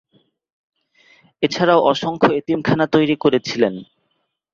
এছাড়াও অসংখ্য এতিমখানা তৈরি করেছিলেন।